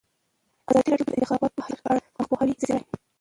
ازادي راډیو د د انتخاباتو بهیر په اړه د خلکو پوهاوی زیات کړی.